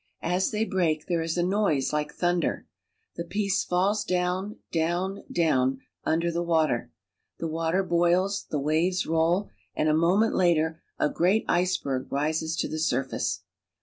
As they break, there is a noise like thunder. The piece falls down, down, down, under the water. The water boils, the waves roll, and a moment later a great iceberg rises to the surface.